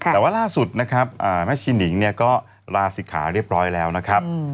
แต่ว่าล่าสุดนะครับแม่ชีนิงเนี่ยก็ลาศิกขาเรียบร้อยแล้วนะครับ